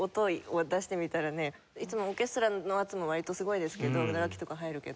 いつもオーケストラの圧も割とすごいですけど打楽器とか入るけど。